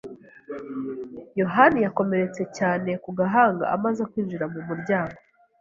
yohani yakomeretse cyane ku gahanga amaze kwinjira mu muryango.